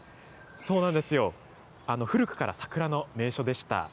そうなんですよ、古くから桜の名所でした。